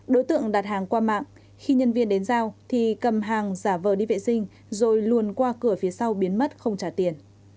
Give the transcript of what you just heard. đối tượng đặt hàng qua mạng khi nhân viên đến giao thì cầm hàng giả vờ đi vệ sinh rồi luồn qua cửa phía sau biến mất không trả tiền